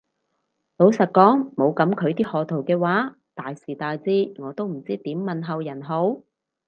老實講冇噉佢啲賀圖嘅話，大時大節我都唔知點問候人好